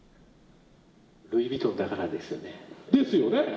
ルイ・ヴィトンだからですよね。ですよね。